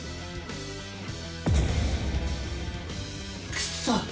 クソッ！